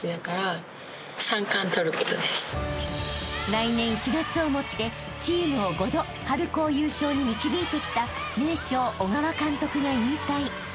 ［来年１月をもってチームを５度春高優勝に導いてきた名将小川監督が引退］